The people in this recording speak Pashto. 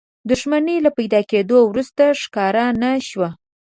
دښمنۍ له پيدا کېدو وروسته ښکار نه شو.